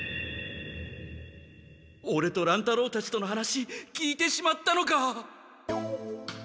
オレと乱太郎たちとの話聞いてしまったのか。